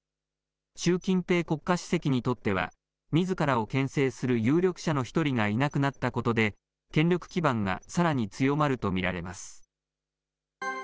習近平国家主席にとっては、みずからをけん制する有力者の１人がいなくなったことで、権力基盤がさらに強まると見られます。